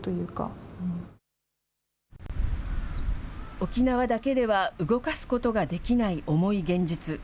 沖縄だけでは動かすことができない重い現実。